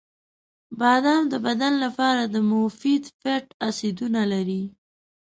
• بادام د بدن لپاره د مفید فیټ اسیدونه لري.